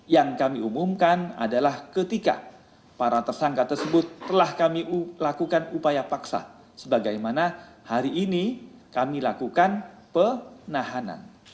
yang kami umumkan adalah ketika para tersangka tersebut telah kami lakukan upaya paksa sebagaimana hari ini kami lakukan penahanan